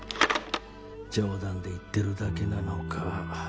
冗談で言ってるだけなのか